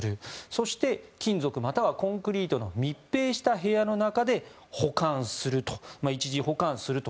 そして金属またはコンクリートの密閉した部屋の中で保管すると。